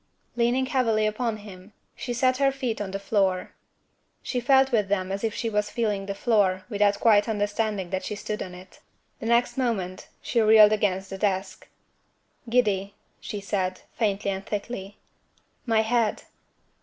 Leaning heavily upon him, she set her feet on the floor. She felt with them as if she was feeling the floor, without quite understanding that she stood on it. The next moment, she reeled against the desk. "Giddy," she said, faintly and thickly. "My head."